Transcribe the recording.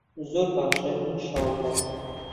زۆر باشە ئینشەڵا.